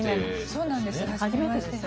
そうなんです。